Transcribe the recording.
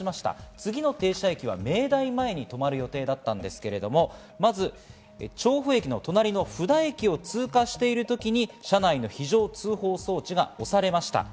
次の停車駅は明大前に止まる予定だったんですがまず、調布駅の隣の布田駅を通過しているときに車内の非常通報装置が押されました。